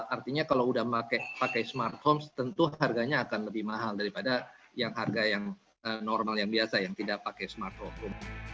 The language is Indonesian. artinya kalau udah pakai smart home tentu harganya akan lebih mahal daripada yang harga yang normal yang biasa yang tidak pakai smart home